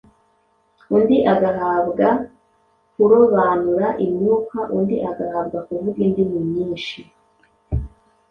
undi agahabwa kurobanura imyuka, undi agahabwa kuvuga indimi nyinshi